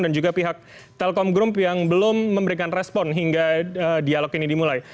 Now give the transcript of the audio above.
dan juga pihak telkom group yang belum memberikan respon hingga dialog ini dimulai